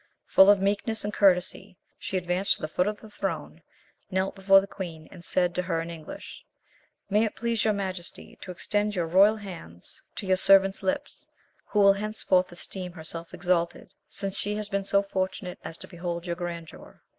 Full of meekness and courtesy, she advanced to the foot of the throne, knelt before the queen, and said to her in English, "May it please your Majesty to extend your royal hands to your servant's lips, who will henceforth esteem herself exalted, since she has been so fortunate as to behold your grandeur."